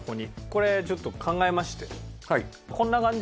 これちょっと考えまして。